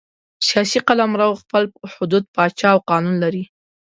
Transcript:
سیاسي قلمرو خپل حدود، پاچا او قانون لري.